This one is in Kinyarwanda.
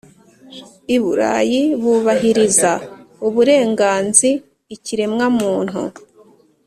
I Burayi bubahiriza uburenganziikiremwamuntu